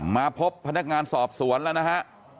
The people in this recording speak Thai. มาพบพนักงานสอบสวนแล้วนะฮะ